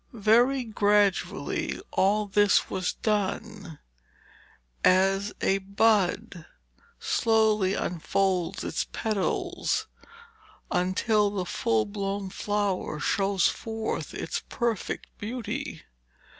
Very gradually all this was done, as a bud slowly unfolds its petals until the full blown flower shows forth its perfect beauty.